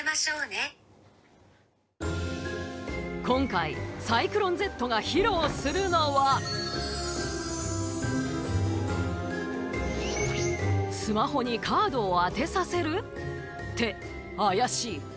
今回、サイクロンＺが披露するのはスマホにカードを当てさせる？って、怪しい。